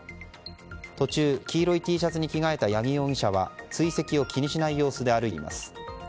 途中、黄色いＴシャツに着替えた八木容疑者は追跡を気にしない様子で歩いています。